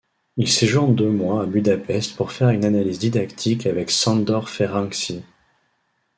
Il séjourne deux mois à Budapest pour faire une analyse didactique avec Sándor Ferenczi.